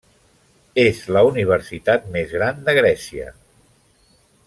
És la universitat més gran de Grècia.